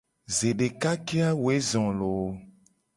Zedeka ke a woe zo loo.